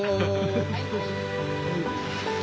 はい。